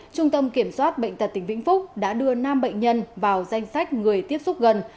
trung tâm kiểm soát bệnh tật tỉnh vĩnh phúc đã đưa năm bệnh nhân vào danh sách người tiếp xúc gần